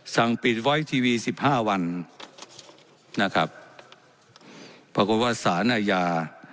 สั่งปิดโว้ยทีวีสิบห้าวันนะครับประโยชน์วัดศาลาอยา